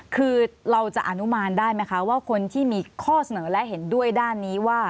คือเราจะอนุมานได้ไหมคะว่าคนที่มีข้อเสนอและเห็นด้วยด้านนี้ว่า